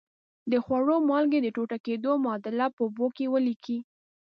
د خوړو مالګې د ټوټه کیدو معادله په اوبو کې ولیکئ.